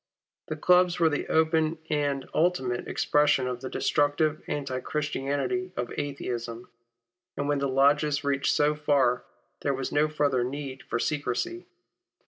The clubs were the open and ultimate expression of the destructive, anti Christianity of Atheism ; and when the lodges reached so far, there was no further need for secrecy.